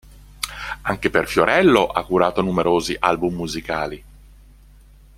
Anche per Fiorello ha curato numerosi album musicali.